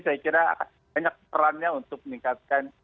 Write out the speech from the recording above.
saya kira banyak perannya untuk meningkatkan